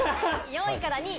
４位から２位！